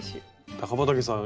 高畠さん